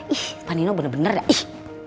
ih panino bener bener dah ih